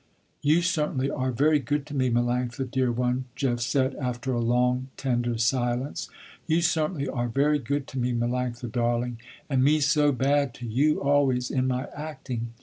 "You certainly are very good to me, Melanctha, dear one," Jeff said, after a long, tender silence. "You certainly are very good to me, Melanctha, darling, and me so bad to you always, in my acting.